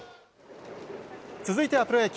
続いてはプロ野球。